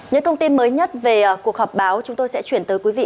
những thông tin mới nhất về cuộc họp báo chúng tôi sẽ chuyển tới quý vị